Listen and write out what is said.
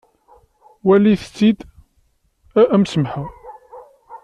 Walit-t-id am semḥeɣ.